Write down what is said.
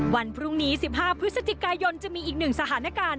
วันพรุ่งนี้๑๕พฤศจิกายนจะมีอีกหนึ่งสถานการณ์